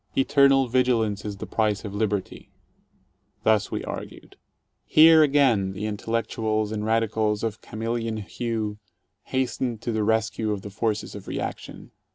"Eternal vigilance is the price of liberty." Thus we argued. j " ;^i!i^ Here again the "intellectuals" and radicals of chameleon hue hastened to the rescue of the forces of reaction.